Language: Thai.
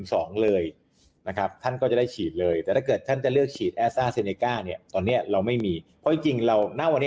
สองเลยนะครับท่านก็จะได้ฉีดเลยแต่ถ้าเกิดท่านจะเลือกฉีดแอสต้าเซเนก้าเนี่ยตอนเนี้ยเราไม่มีเพราะจริงจริงเราณวันนี้